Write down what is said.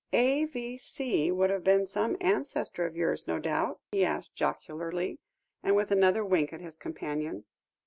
"A.V.C. would have been some ancestor of yours, no doubt?" he asked jocularly, and with another wink at his companion.